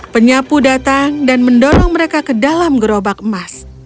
penyapu datang dan mendorong mereka ke dalam gerobak emas